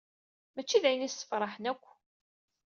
Mačči d ayen issefraḥen akk.